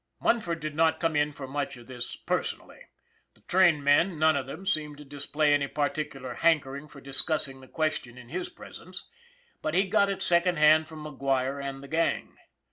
Munford did not come in for much of this per sonally. The trainmen, none of them, seemed to dis play any particular hankering for discussing the ques tion in his presence; but he got it second hand from McGuire and the gang.